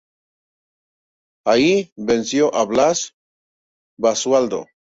Allí venció a Blas Basualdo.